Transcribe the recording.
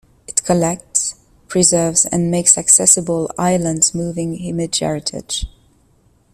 It collects, preserves and makes accessible Ireland's moving image heritage.